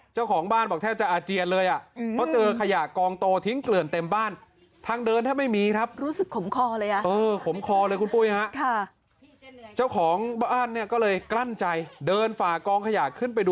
เจ้าของบ้านคิดบอกจะอาเจียนเลย